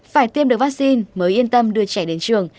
phải tiêm được vaccine mới yên tâm đưa trẻ đến trường